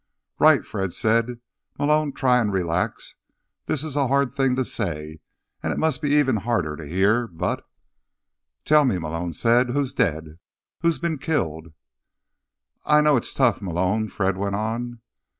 "Right," Fred said. "Malone, try and relax. This is a hard thing to say, and it must be even harder to hear, but—" "Tell me," Malone said. "Who's dead? Who's been killed?" "I know it's tough, Malone," Fred went on.